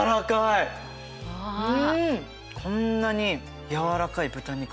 こんなに柔らかい豚肉